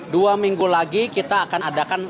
dua minggu lagi kita akan adakan